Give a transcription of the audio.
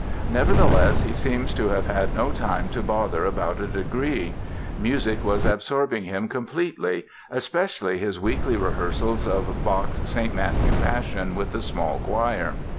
Nevertheless, he seems to have had no time to bother about a degree. Music was absorbing him completely, especially his weekly rehearsals of Bach's "St. Matthew Passion" with a small choir.